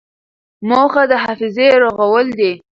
موخه د حافظې رغول دي.